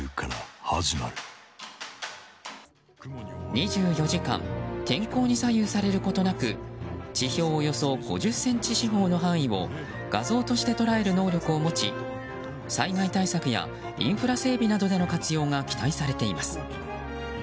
２４時間天候に左右されることなく地表およそ５０ｃｍ四方の範囲を画像として捉える能力を持ち災害対策やインフラ整備などでの活用が期待されています。